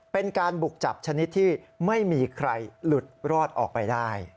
เป็นการบุกจับชนิดที่ไม่มีใครหลุดรอดออกไปได้